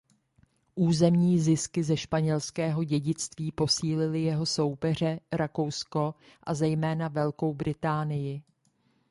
Územní zisky ze španělského dědictví posílily jeho soupeře Rakousko a zejména Velkou Británii.